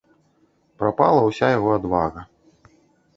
Прапала ўся яго адвага.